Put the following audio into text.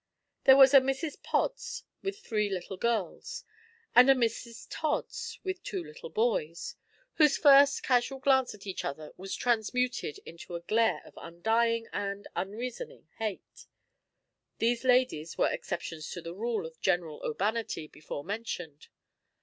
There was a Mrs Pods with three little girls, and a Mrs Tods with two little boys, whose first casual glance at each other was transmuted into a glare of undying and unreasoning hate. These ladies were exceptions to the rule of general urbanity before mentioned.